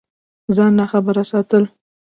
ځان ناخبره ساتل